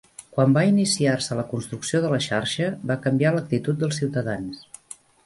Quan va iniciar-se la construcció de la xarxa, va canviar l'actitud dels ciutadans.